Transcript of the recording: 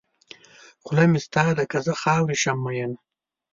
خوله مې ستا ده که زه خاورې شم مینه.